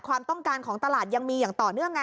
ความต้องการของตลาดยังมีอย่างต่อเนื่องไง